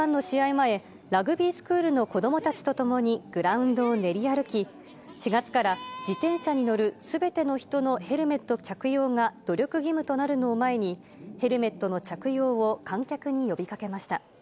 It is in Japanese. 前、ラグビースクールの子どもたちと共にグラウンドを練り歩き、４月から自転車に乗るすべての人のヘルメット着用が努力義務となるのを前に、ヘルメットの着用を観客に呼びかけました。